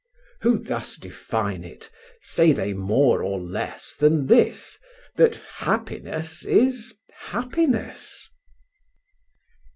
Who thus define it, say they more or less Than this, that happiness is happiness?